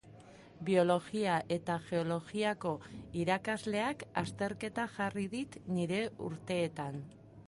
Biologia eta geologiako irakasleak azterketa jarri dit nire urteetan